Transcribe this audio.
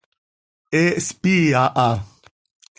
He hspii aha.